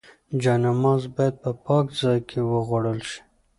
جاینماز باید په پاک ځای کې وغوړول شي.